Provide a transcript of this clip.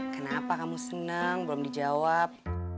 kenapa kamu seneng belum dijawab